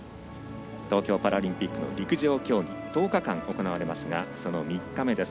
東京パラリンピックの陸上競技は１０日間行われますがその３日目です。